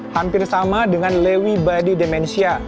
hampir sama dengan lewy body dementia